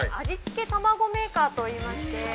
味付けたまごメーカーと言いまして。